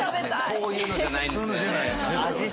そういうのじゃないんですね。